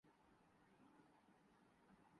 ہم ایک نیا پاکستان دیکھتے ہیں۔